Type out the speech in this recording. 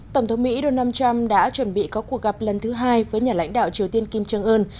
tổng thống mỹ donald trump đã chuẩn bị có cuộc gặp lần thứ hai với nhà lãnh đạo triều tiên kim jong un